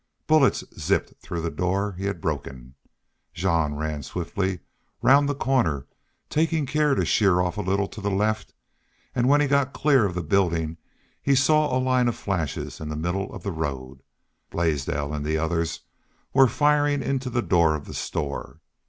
Bullets zipped through the door he had broken. Jean ran swiftly round the corner, taking care to sheer off a little to the left, and when he got clear of the building he saw a line of flashes in the middle of the road. Blaisdell and the others were firing into the door of the store.